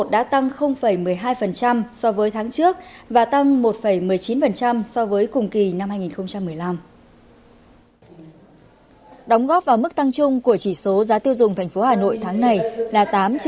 do trong kỳ tính giá